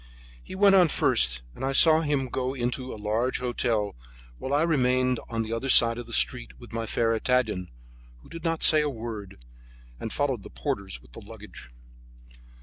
He went on first, and I saw him go into a large hotel while I remained on the other side of the street, with my fair Italian, who did not say a word, and followed the porters with the luggage.